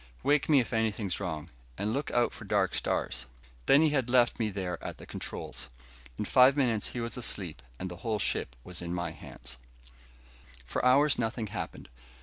"Wake me if anything's wrong. And look out for dark stars." Then he had left me there at the controls. In five minutes he was asleep and the whole ship was in my hands. For hours nothing happened.